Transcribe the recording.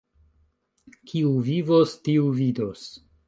Kiu vivos, tiu vidos.